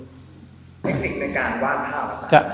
เทคนิคในการวาดภาพครับ